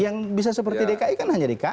yang bisa seperti dki kan hanya dki